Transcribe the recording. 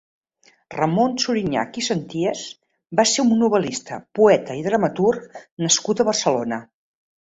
Ramon Suriñach i Senties va ser un novel·lista, poeta i dramaturg nascut a Barcelona.